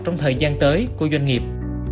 trong thời gian tới của doanh nghiệp